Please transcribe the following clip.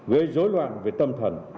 với dối loạn về tâm thần